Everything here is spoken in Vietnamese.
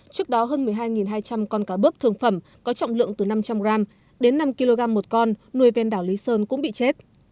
trước đó hơn một mươi hai hai trăm linh con cá bớp thương phẩm có trọng lượng từ năm trăm linh gram đến năm kg một con nuôi ven đảo lý sơn cũng bị chết